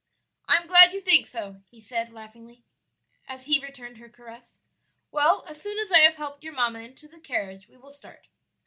"I am glad you think so," he said, laughingly, as he returned her caress. "Well, as soon as I have helped your mamma into the carriage we will start."